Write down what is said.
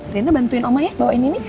rina bantuin oma ya bawain ini